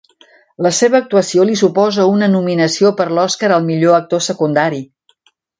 La seva actuació li suposa una nominació per l'Oscar al millor actor secundari.